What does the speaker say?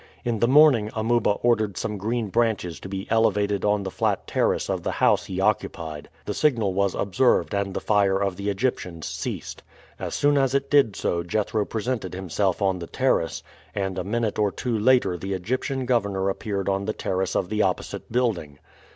In the morning Amuba ordered some green branches to be elevated on the flat terrace of the house he occupied. The signal was observed and the fire of the Egyptians ceased. As soon as it did so Jethro presented himself on the terrace, and a minute or two later the Egyptian governor appeared on the terrace of the opposite building.